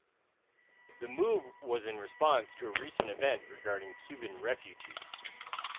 The move was in response to a recent event regarding Cuban refugees.